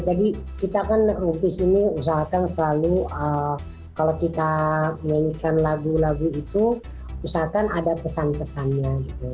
jadi kita kan rumpis ini usahakan selalu kalau kita nyanyikan lagu lagu itu usahakan ada pesan pesannya gitu